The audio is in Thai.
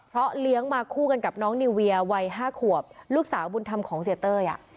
เพราะเลี้ยงมาคู่กันกับน้องนิวเวียวัย๕ขวบลูกสาวบุญธรรมของเสียเต้ย